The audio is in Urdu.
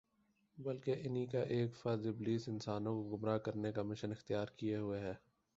بلکہ انھی کا ایک فرد ابلیس انسانوں کو گمراہ کرنے کا مشن اختیار کیے ہوئے ہے